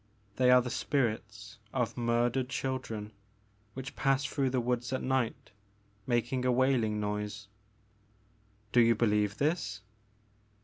They are the spirits of murdered children, which 7 2 The Maker of Moans. pass through the woods at night', making a wail ing noise." Do you believe this